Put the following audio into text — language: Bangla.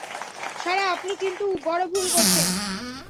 সারা, আপনি কিন্তু বড় ভুল করছেন।